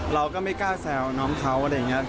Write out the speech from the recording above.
เราก็ไม่กล้าแซวน้องเขาอะไรอย่างนี้